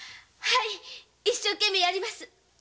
一生懸命やります！